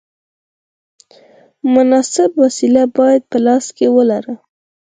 مناسبه وسیله باید په لاس کې ولرې.